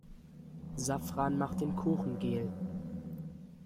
Safran macht den Kuchen gel.